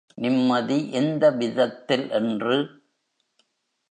நிம்மதி எந்த விதத்தில் என்று.